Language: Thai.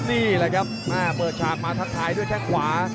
นี่แหละครับเปิดฉากมาทักทายด้วยแข้งขวา